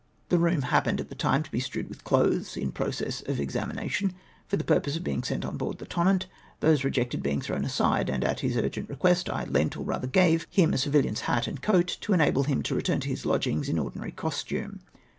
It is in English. The room happened at the time to be strewed with clothes, in process of examination, f(_)r the purpose of beino sent on board the Tonnant, those reiected beina' thrown aside; and at his urgent request I lent, or rather gave, him a civilian's hat and coat to enable him to retiu'n to his lodgings in ordinary costume.